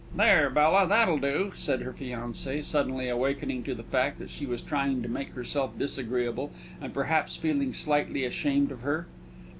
"There, Bella, that'll do," said her fiancé, suddenly awakening to the fact that she was trying to make herself disagreeable, and perhaps feeling slightly ashamed of her.